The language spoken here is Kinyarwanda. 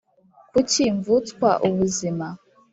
kuki mvutswa ubuzima